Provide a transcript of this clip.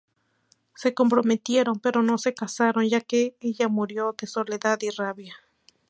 Se comprometieron pero no se casaron ya que ella murió de soledad y rabia.